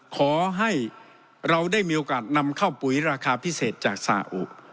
ขอให้เราได้มีโอกาสนำเข้าปุ๋ยราคาพิเศษจากสาอุ